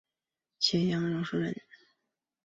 揭阳榕城人。